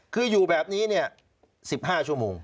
คืออยู่แบบนี้๑๕ชั่วโมง